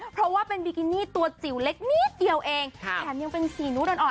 เพราะว่าเป็นบิกินี่ตัวจิ๋วเล็กนิดเดียวเองแถมยังเป็นสีนู้ดอ่อน